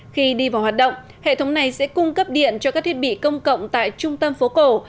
khi đi vào hoạt động hệ thống này sẽ cung cấp điện cho các thiết bị công cộng tại trung tâm phố cổ